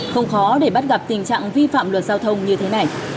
không khó để bắt gặp tình trạng vi phạm luật giao thông như thế này